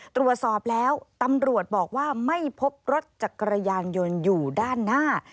ตรวจสอบแล้วตำรวจบอกว่าไม่พบรถจักรยานยนต์อยู่ด้านหน้า